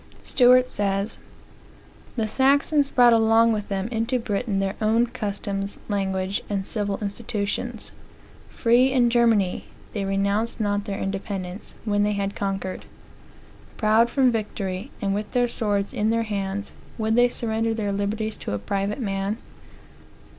Stuart says: "The Saxons brought along with them into Britain their own customs, language, and civil institutions. Free in Germany, they renounced not their independence, when they had conquered. Proud from victory, and with their swords in their hands, would they surrender their liberties to a private man?